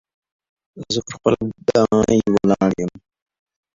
زه پر خپل ګای ولاړ يم.